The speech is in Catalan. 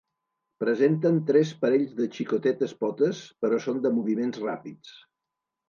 Presenten tres parells de xicotetes potes, però són de moviments ràpids.